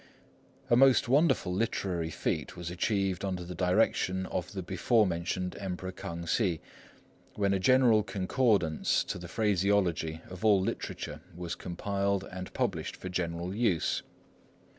A most wonderful literary feat was achieved under the direction of the before mentioned Emperor K'ang Hsi, when a general Concordance to the phraseology of all literature was compiled and published for general use.